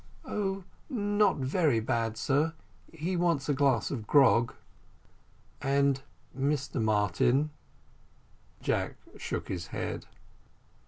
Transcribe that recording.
"Oh, not very bad, sir he wants a glass of grog." "And Mr Martin?" Jack shook his head.